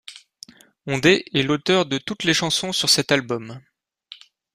Honde est l'auteur de toutes les chansons sur cet album.